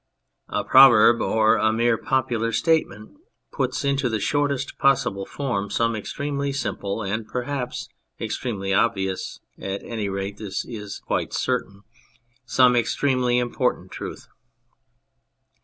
A proverb or a mere popular statement puts into the shortest possible form some extremely simple, and perhaps extremely obvious, at any rate (this is quite certain) some extremely important, truth.